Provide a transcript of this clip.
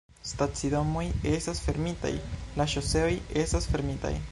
Stacidomoj estas fermitaj, la ŝoseoj estas fermitaj